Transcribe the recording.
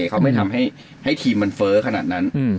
เขาไม่ทำให้ทีมมันเฟ้อขนาดนั้น